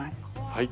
はい。